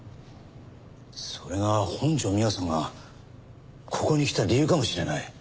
それが本条美和さんがここに来た理由かもしれない。